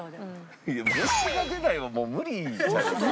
いや「虫が出ない」はもう無理じゃないですか？